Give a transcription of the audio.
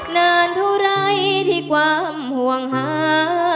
นน์เถ่าไหร่ที่ความห่วงหา